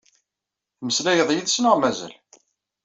Temmeslayeḍ yid-s neɣ mazal?